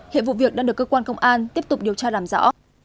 hiện vụ việc đang được cơ quan công an tiếp tục điều tra làm rõ